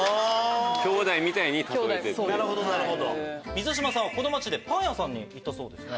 水島さんはこの町でパン屋さんに行ったそうですね。